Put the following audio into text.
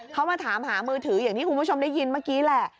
เขามาถามหามือถืออย่างที่คุณผู้ชมได้ยินเมื่อกี้แหละ